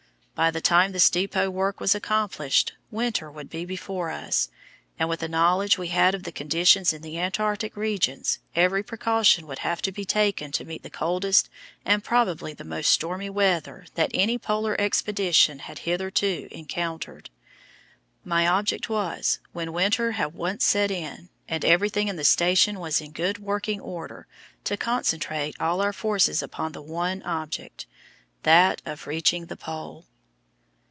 By the time this depot work was accomplished winter would be before us, and with the knowledge we had of the conditions in the Antarctic regions, every precaution would have to be taken to meet the coldest and probably the most stormy weather that any Polar expedition had hitherto encountered. My object was, when winter had once set in, and everything in the station was in good working order, to concentrate all our forces upon the one object that of reaching the Pole.